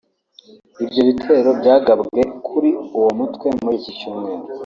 Ibyo bitero byagabwe kuri uwo mutwe muri icyi cyumweru